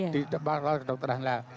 di tempat orang orang dr rahna